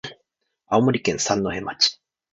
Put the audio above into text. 青森県三戸町